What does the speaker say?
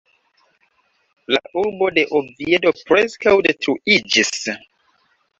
La urbo de Oviedo preskaŭ detruiĝis.